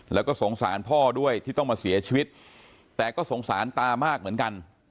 แล้วก็สงสารพ่อด้วยที่ต้องมาเสียชีวิตแต่ก็สงสารตามากเหมือนกัน